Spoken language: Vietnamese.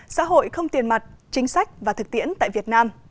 xã hội không tiền mặt chính sách và thực tiễn tại việt nam